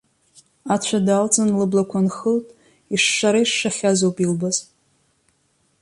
Ацәа даалҵын лыблақәа анхылт, ишшара ишшахьаз ауп илбаз.